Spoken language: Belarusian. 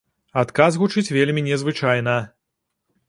Адказ гучыць вельмі незвычайна.